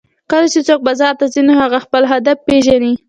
کله چې څوک بازار ته ځي نو هغه خپل هدف پېژني